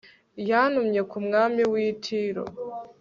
yatumye ku mwami w'i tiro